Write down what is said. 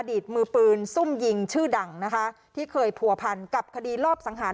ตมือปืนซุ่มยิงชื่อดังนะคะที่เคยผัวพันกับคดีรอบสังหาร